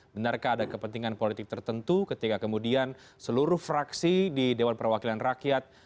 benarkah ada kepentingan politik tertentu ketika kemudian seluruh fraksi di dewan perwakilan rakyat